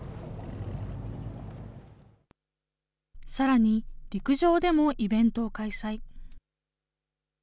さらに陸上でもイベントを開催。